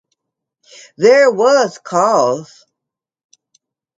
There was cause.